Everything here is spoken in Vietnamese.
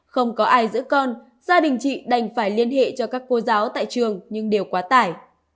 không có ai giữ con gia đình chị đành phải liên hệ cho các cô giáo tại trường nhưng đều quá tải